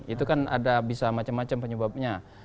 itu kan ada bisa macam macam penyebabnya